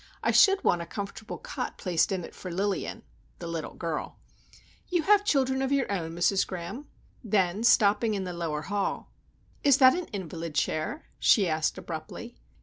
I should want a comfortable cot placed in it for Lilian,"—the little girl. "You have children of your own, Mrs. Graham?" Then, stopping in the lower hall,— "Is that an invalid chair?" she asked, abruptly.